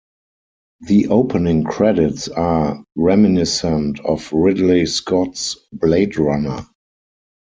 The opening credits are reminiscent of Ridley Scott's "Blade Runner".